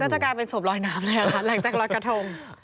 มันก็จะกลายเป็นศพลอยน้ำเลยอ่ะค่ะแหล่งจากรอยกระทง